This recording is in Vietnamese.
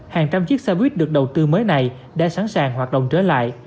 hàng trăm chiếc xe buýt được đầu tư mới này đã sẵn sàng hoạt động trở lại